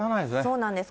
そうなんです。